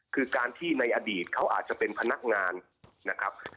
คือการที่ในอดีตเขาอาจจะเป็นพนักงานนะครับ